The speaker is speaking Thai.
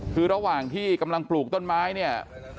คือระหว่างที่กำลังปลูกต้นไม้เนี่ย